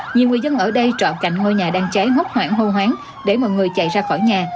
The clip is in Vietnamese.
nhiều người dân ở đây trọn cạnh ngôi nhà đang cháy ngốt hoảng hô hoáng để mọi người chạy ra khỏi nhà